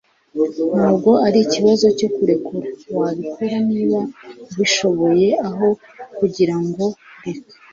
ntabwo ari ikibazo cyo kurekura - wabikora niba ubishoboye aho kugirango reka